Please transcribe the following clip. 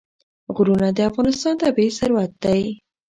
غرونه د افغانستان طبعي ثروت دی.